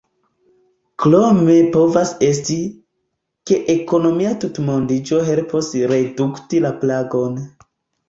Krome povas esti, ke ekonomia tutmondiĝo helpos redukti la plagon.